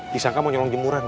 disangka mau nyolong jemuran